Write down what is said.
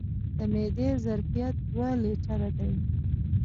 د معدې ظرفیت دوه لیټره دی.